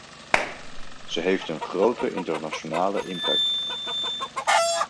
Ze heeft een grote internationale impact.